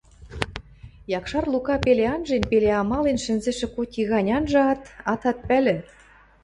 Якшар Лука пеле анжен, пеле амален шӹнзӹшӹ коти гань анжаат, атат пӓлӹ